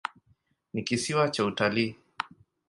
Ni kisiwa cha utalii.